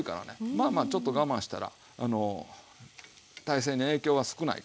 まあまあちょっと我慢したら大勢に影響は少ないから。